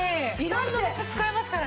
色んな場所使えますから。